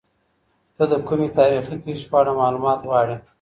ته د کومې تاريخي پېښې په اړه معلومات غواړې؟